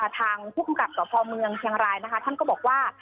ทางผู้คุมกับตรวจพลาดเมืองช่างรายท่านบอกว่า